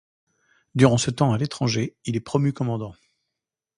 Durant ce temps à l'étranger, il est promu commandant.